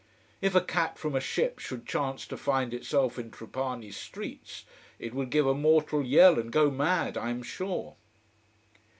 If a cat from a ship should chance to find itself in Trapani streets, it would give a mortal yell, and go mad, I am sure.